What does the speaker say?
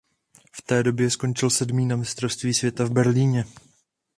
V též roce skončil sedmý na mistrovství světa v Berlíně.